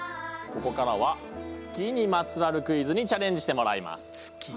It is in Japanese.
ここからは月にまつわるクイズにチャレンジしてもらいます。